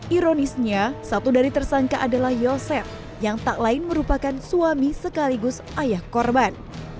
ironisnya satu dari tersangka adalah yosep yang tak lain merupakan suami sekaligus ayah korban